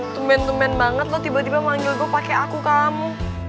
tumen tumen banget lo tiba tiba manggil gue pakai aku kamu